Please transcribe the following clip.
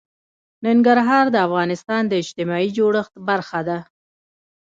ننګرهار د افغانستان د اجتماعي جوړښت برخه ده.